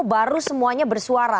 baru semuanya bersuara